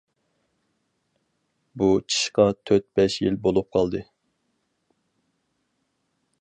بۇ چىشقا تۆت بەش يىل بولۇپ قالدى.